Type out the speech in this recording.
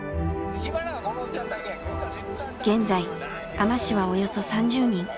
現在海士はおよそ３０人。